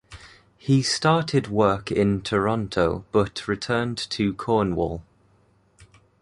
He started work in Toronto but returned to Cornwall.